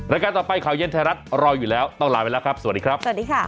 รายการต่อไปข่าวเย็นไทยรัฐรออยู่แล้วต้องลาไปแล้วครับสวัสดีครับสวัสดีค่ะ